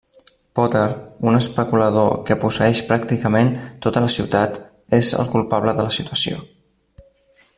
Potter, un especulador que posseeix pràcticament tota la ciutat, és el culpable de la situació.